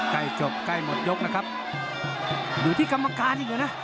ใกล้จบใกล้หมดยกนะครับอยู่ที่กรรมการ